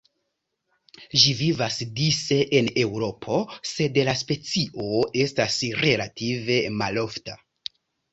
Ĝi vivas dise en Eŭropo, sed la specio estas relative malofta.